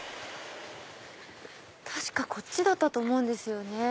確かこっちだったと思うんですよね。